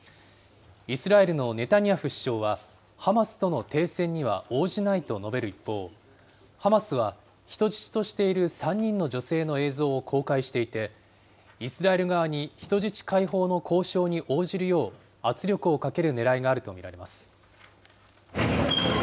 イスラエルのネタニヤフ首相は、ハマスとの停戦には応じないと述べる一方、ハマスは人質としている３人の女性の映像を公開していて、イスラエル側に人質解放の交渉に応じるよう圧力をかけるねらいがあると見られます。